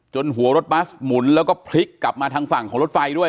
หัวรถบัสหมุนแล้วก็พลิกกลับมาทางฝั่งของรถไฟด้วย